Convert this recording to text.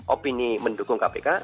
opini mendukung kpk